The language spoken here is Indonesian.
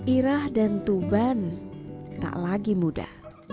irah dan tuban tak lagi muda